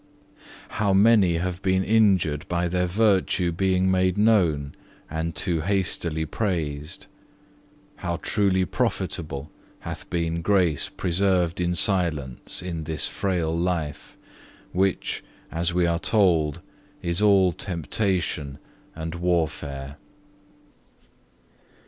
How many have been injured by their virtue being made known and too hastily praised. How truly profitable hath been grace preserved in silence in this frail life, which, as we are told, is all temptation and warfare.